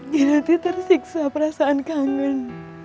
kinanti tersiksa perasaan kangen